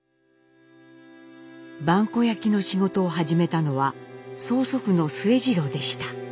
萬古焼の仕事を始めたのは曽祖父の末治郎でした。